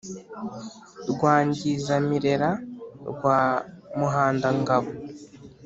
rwangizamirera rwa muhandangabo